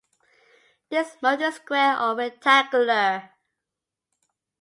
This moat is square or rectangular.